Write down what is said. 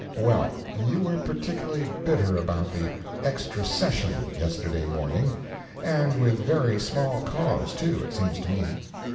Well, you were particularly bitter about the "extra session" yesterday morning, and with very small cause, too, it seems to me.